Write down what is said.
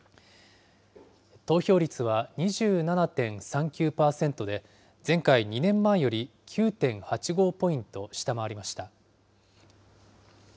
投票率は２７．３９％で、前回・２年前より９．８５ポイント下回りました。